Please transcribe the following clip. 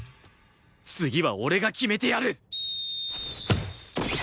次は俺が決めてやる！